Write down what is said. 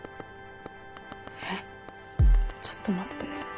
えっちょっと待って。